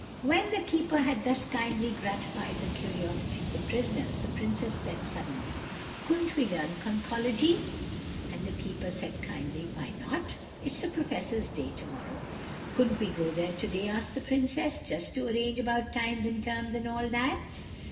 When the Keeper had thus kindly gratified the curiosity of the prisoners the Princess said suddenly: "Couldn't we learn Conchology?" And the Keeper said kindly, "Why not? It's the Professor's day tomorrow." "Couldn't we go there today?" asked the Princess, "just to arrange about times and terms and all that?"